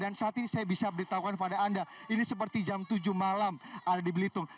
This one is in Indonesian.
dan saat ini saya bisa beritahukan kepada anda ini seperti jam tujuh malam ada di belitung